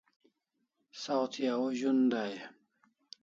Saw thi au z'un dai e?